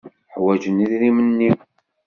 Ḥwajen idrimen-nni.